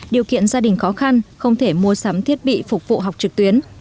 điều kiện gia đình khó khăn không thể mua sắm thiết bị phục vụ học trực tuyến